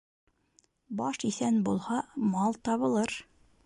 Баш иҫән булһа, мал табылыр.